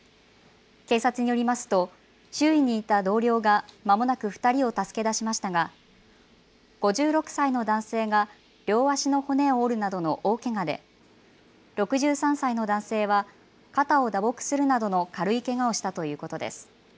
警察によりますと周囲にいた同僚がまもなく２人を助け出しましたが５６歳の男性が両足の骨を折るなどの大けがで、６３歳の男性は肩を打撲するなどの軽いけがをしたということです。